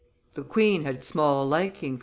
The queen had small liking for M.